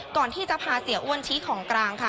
ก่อนที่จะพาเสียอ้วนชี้ของกลางค่ะ